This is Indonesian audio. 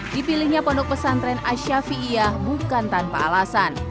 dipilihnya pondok pesantren asyafi'iyah bukan tanpa alasan